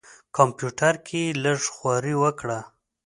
کمپیوټر کې یې لږه خواري وکړه.